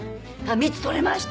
蜜とれました。